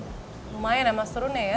lumayan ya mas turunnya ya